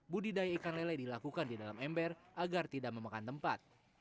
budidaya ikan lele dilakukan di dalam ember agar tidak memakan tempat